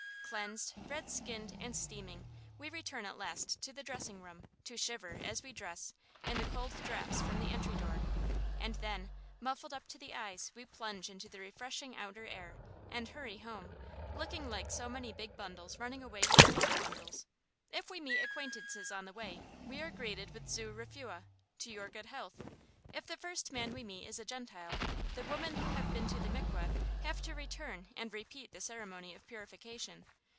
Cleansed, red skinned, and steaming, we return at last to the dressing room, to shiver, as we dress, in the cold drafts from the entry door; and then, muffled up to the eyes, we plunge into the refreshing outer air, and hurry home, looking like so many big bundles running away with smaller bundles. If we meet acquaintances on the way we are greeted with "zu refueh" ("to your good health"). If the first man we meet is a Gentile, the women who have been to the mikweh have to return and repeat the ceremony of purification.